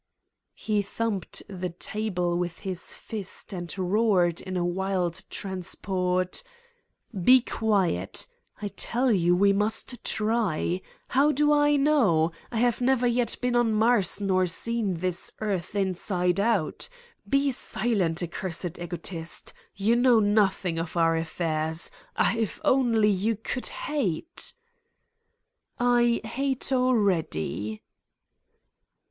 He thumped the table with his fist and roared in a wild transport : "Be quiet! I tell you: we must try. How do I know? I have never yet been on Mars nor seen this earth inside out. Be silent, accursed egotist ! You know nothing of our affairs. Ah, if only you could hate! ..." "I hate already."